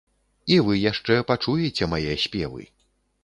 І вы яшчэ пачуеце мае спевы.